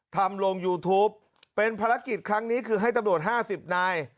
ทำลงยูทูปเป็นภารกิจครั้งนี้คือให้ตำรวจ๕๐นาย